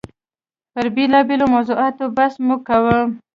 پر بېلابېلو موضوعاتو بحث مو کاوه.